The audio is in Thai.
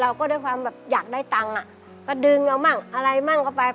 เราก็ด้วยความแบบอยากได้ตังค์มาดึงเอาบ้างอะไรบ้างเข้าไป